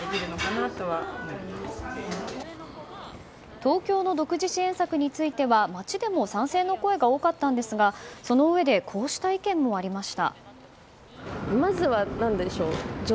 東京の独自支援策については街でも賛成の声が多かったんですがそのうえでこうした意見もありました。